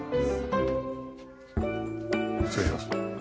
失礼します。